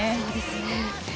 そうですね。